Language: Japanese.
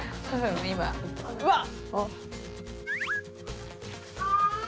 今うわっ！